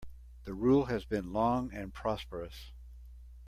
The rule has been long and prosperous.